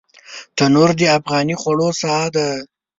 تنور د افغاني خوړو ساه ده